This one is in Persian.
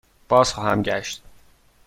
بازخواهم گشت.